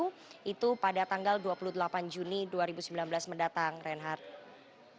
dan setelah itu akan diberikan nomor urut tersebut yang akan disertakan pada tanggal dua puluh delapan juni dua ribu sembilan belas mendatang